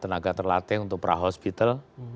tenaga terlatih untuk prahospital